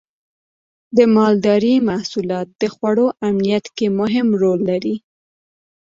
د مالدارۍ محصولات د خوړو امنیت کې مهم رول لري.